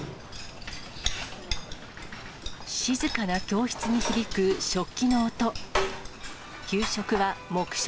静かな教室に響く食器の音。